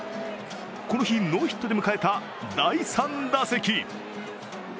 この日、ノーヒットで迎えた第３打席。